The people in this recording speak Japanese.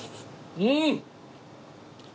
うん！